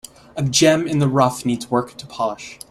A gem in the rough needs work to polish.